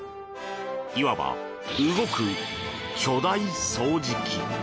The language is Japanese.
いわば、動く巨大掃除機！